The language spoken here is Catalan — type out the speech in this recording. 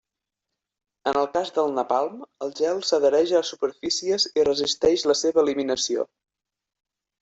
En el cas del napalm, el gel s'adhereix a superfícies i resisteix la seva eliminació.